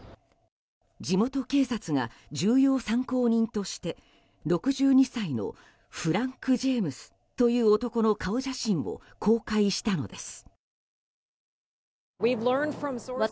地元警察が重要参考人として６２歳のフランク・ジェームスという男の顔写真を公開したのです。